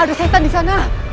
ada setan disana